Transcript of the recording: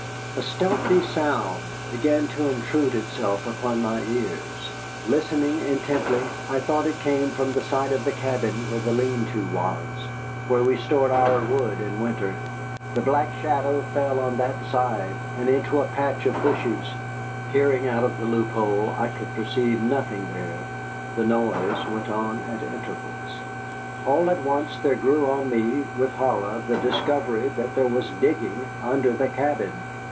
A stealthy sound began to intrude itself upon our ears. Listening intently, I thought it came from the side of the cabin where the lean to was, where we stored our wood in winter. The black shadow fell on that side, and into a patch of bushes; peering out of the loophole, I could perceive nothing there. The noise went on at intervals. All at once there grew on me, with horror, the discovery that there was digging under the cabin.